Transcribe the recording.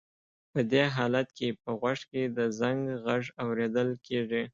په دې حالت کې په غوږ کې د زنګ غږ اورېدل کېږي.